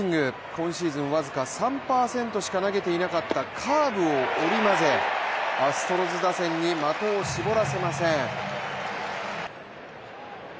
今シーズン僅か３％しか投げていなかったカーブを織り交ぜアストロズ打線に的を絞らせません。